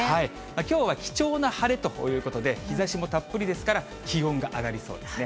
きょうは貴重な晴れということで、日ざしもたっぷりですから、気温が上がりそうですね。